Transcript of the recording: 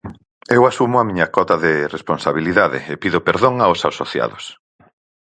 Eu asumo a miña cota de responsabilidade e pido perdón aos asociados.